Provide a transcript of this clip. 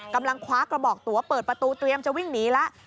กำลังคว้ากระบอกตัวเปิดประตูเตรียมจะวิ่งหนีแล้ว